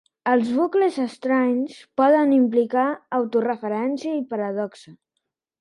Els bucles estranys poden implicar autoreferència i paradoxa.